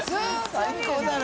最高だね。